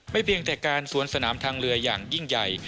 เพียงแต่การสวนสนามทางเรืออย่างยิ่งใหญ่